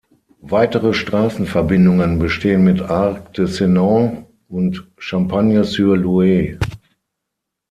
Weitere Straßenverbindungen bestehen mit Arc-et-Senans und Champagne-sur-Loue.